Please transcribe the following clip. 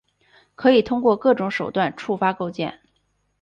可以通过各种手段触发构建。